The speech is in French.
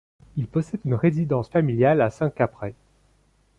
Il possède une résidence familiale à Saint-Caprais.